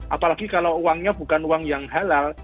apalagi kalau uangnya bukan uang yang halal